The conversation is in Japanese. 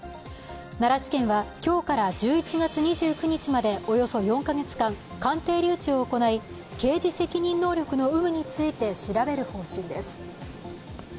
奈良地検は今日から１１月２９日までおよそ４カ月間、鑑定留置を行い、刑事責任能力の有無について調べる方針です。